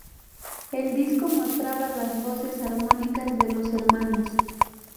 El disco mostraba las voces armónicas de los hermanos.